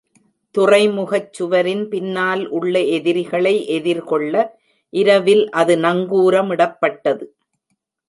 துறைமுகச் சுவரின் பின்னால் உள்ள எதிரிகளை எதிர்கொள்ள இரவில் அது நங்கூரமிடப்பட்டது.